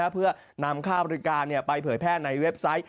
เพื่อนำค่าบริการไปเผยแพร่ในเว็บไซต์